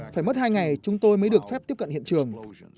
phải mất hai ngày chúng tôi mới được phép tiếp cận hiện trường